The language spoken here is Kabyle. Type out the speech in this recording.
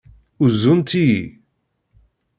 Uzunt-iyi.